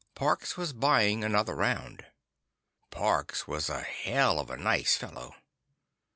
Parks was buying another round. Parks was a hell of a nice fellow.